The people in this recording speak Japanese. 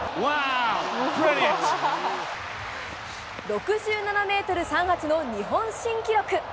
６７ｍ３８の日本新記録。